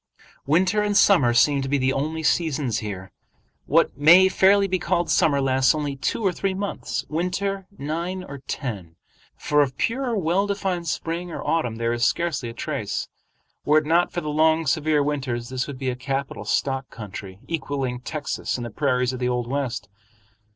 Winter and summer seem to be the only seasons here. What may fairly be called summer lasts only two or three months, winter nine or ten, for of pure well defined spring or autumn there is scarcely a trace. Were it not for the long severe winters, this would be a capital stock country, equaling Texas and the prairies of the old West.